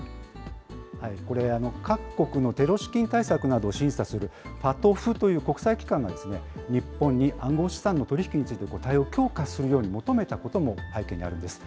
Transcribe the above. これ、各国のテロ資金対策などを審査するＦＡＴＦという国際機関が、日本に暗号資産の取り引きについて対応を強化するように求めたことも背景にあるんです。